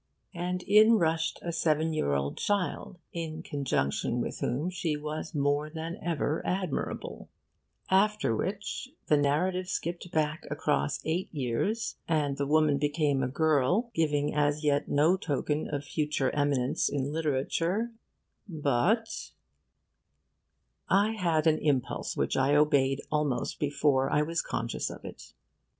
and in rushed a seven year old child, in conjunction with whom she was more than ever admirable; after which the narrative skipped back across eight years, and the woman became a girl, giving as yet no token of future eminence in literature but I had an impulse which I obeyed almost before I was, conscious of it.